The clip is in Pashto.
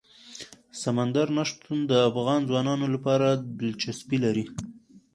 سمندر نه شتون د افغان ځوانانو لپاره دلچسپي لري.